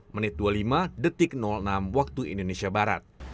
menit dua puluh lima detik enam waktu indonesia barat